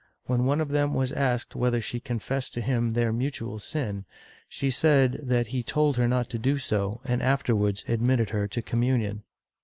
When one of them was asked whether she confessed to him their mutual sin, she said that he told her not to do so, and afterwards admitted her to communion.